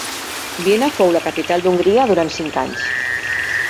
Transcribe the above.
Viena fou la capital d'Hongria durant cinc anys.